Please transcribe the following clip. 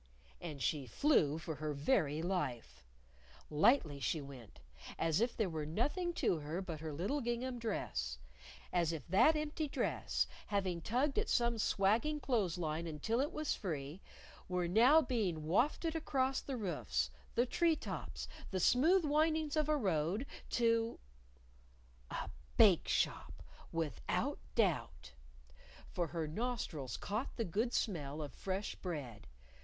And she flew for her very life. Lightly she went as if there were nothing to her but her little gingham dress; as if that empty dress, having tugged at some swagging clothes line until it was free, were now being wafted across the roofs, the tree tops, the smooth windings of a road, to A bake shop, without doubt! For her nostrils caught the good smell of fresh bread.